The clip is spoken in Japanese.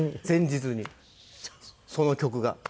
前日にその曲が。